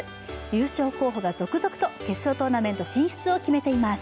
優勝候補が続々と決勝トーナメント進出を決めています。